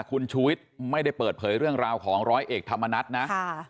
คุณชูวิทย์ไม่ได้เปิดเผยเรื่องราวของร้อยเอกธรรมนัฐนะ